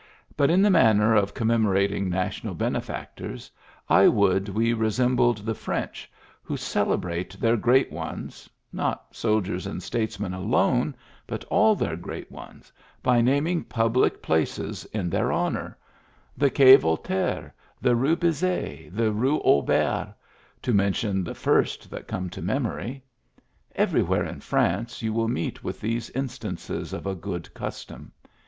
But in the manner of commemorating national benefactors, I would we resembled the French who celebrate their great ones — not soldiers and statesmen alone, but all their great ones — by naming public places in their honor: Digitized by VjOOQIC i6 PREFACE the Quai Voltaire, the Rue Bizet, the Rue Auber — to mention the first that come to memory. Every where in France you will meet with these instances of a good custom.